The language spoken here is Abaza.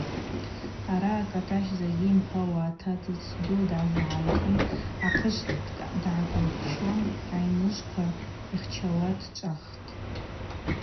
Араъа Кӏатӏащ закӏгьи йымхӏвауата атыдз ду дазгӏайхын ахъышв дгӏакӏылпшуа, айныжвква йхчауа дчӏвахтӏ.